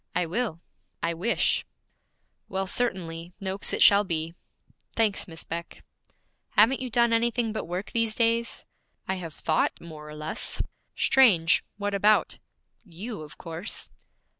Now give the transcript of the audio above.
'I will; I wish ' 'Well, certainly; "Noakes" it shall be.' 'Thanks, Miss Beck.' 'Haven't you done anything but work these days?' 'I have thought more or less.' 'Strange; what about?' 'You, of course.'